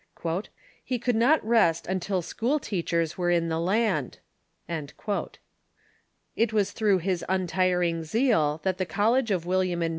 EARLY LEADERS 487 "He could not rest until school teachers were in the land." It was through his untiring zeal that the College of William and